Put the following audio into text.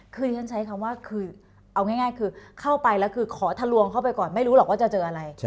คือที่ฉันใช้คำว่าคือเอาง่ายคือเข้าไปแล้วคือขอทะลวงเข้าไปก่อนไม่รู้หรอกว่าจะเจออะไร